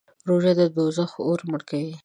روژه د دوزخ اور مړ کوي.